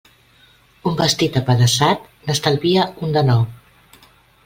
Un vestit apedaçat n'estalvia un de nou.